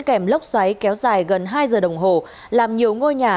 kèm lốc xoáy kéo dài gần hai giờ đồng hồ làm nhiều ngôi nhà